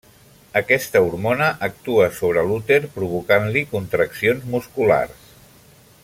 Aquesta hormona actua sobre l'úter provocant-li contraccions musculars.